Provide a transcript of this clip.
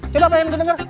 coba pengen gua denger